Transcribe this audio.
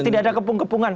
tidak ada kepung kepungan